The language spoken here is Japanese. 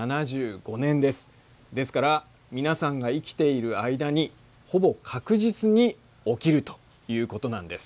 ですからみなさんが生きている間にほぼ確実に起きるということなんです。